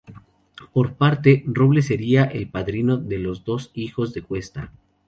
Por otra parte, Robles sería el padrino de los dos hijos de Cuesta.